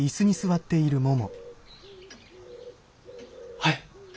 はい。